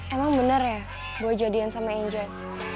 emang bener ya gue jadian sama anget